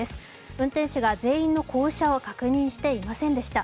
運転手が全員の降車を確認していませんでした。